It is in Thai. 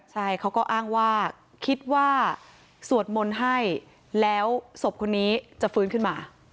ใช่เขาก็อ้างว่าคิดว่าสวดมนต์ให้แล้วศพคนนี้จะฟื้นขึ้นมา